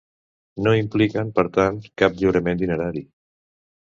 No impliquen, per tant, cap lliurament dinerari.